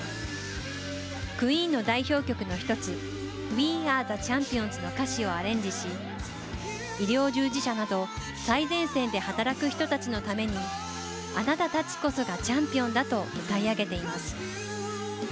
クイーンの代表曲の一つ、ＷｅＡｒｅＴｈｅＣｈａｍｐｉｏｎｓの歌詞をアレンジし、医療従事者など最前線で働く人たちのために、あなたたちこそがチャンピオンだと歌い上げています。